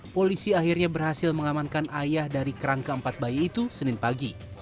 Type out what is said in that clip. polisi akhirnya berhasil mengamankan ayah dari kerangka empat bayi itu senin pagi